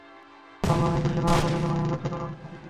মামলার রায় ঘোষিত না হওয়ার কোন আইনগত কারণ আছে কি?